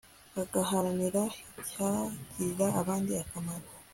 bagaharanira icyagirira abandi akamaro